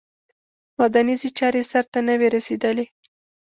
ودانیزې چارې یې سرته نه وې رسېدلې.